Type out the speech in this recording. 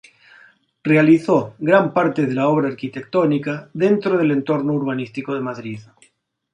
Realizó gran parte de la obra arquitectónica dentro del entorno urbanístico de Madrid.